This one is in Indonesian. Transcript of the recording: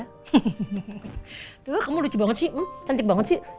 aduh kamu lucu banget sih cantik banget sih